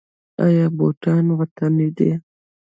آیا بوټان یې وطني دي؟